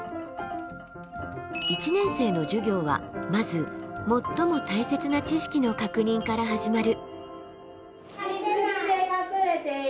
１年生の授業はまず最も大切な知識の確認から始まる。